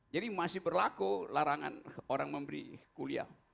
jadi masih berlaku larangan orang memberi kuliah